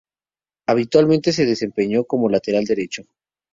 Habitualmente se desempeñó como lateral derecho.